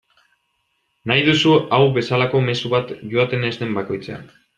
Nahi duzu hau bezalako mezu bat joaten ez den bakoitzean.